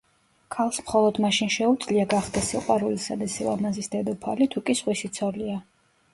ქალს მხოლოდ მაშინ შეუძლია გახდეს სიყვარულისა და სილამაზის დედოფალი, თუკი სხვისი ცოლია.